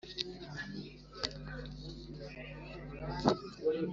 itagira utuzi na tunifinya ku munyegenyegeku